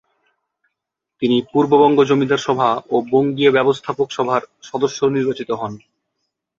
তিনি পূর্ববঙ্গ জমিদার সভা ও বঙ্গীয় ব্যবস্থাপক সভার সদস্য নির্বাচিত হন।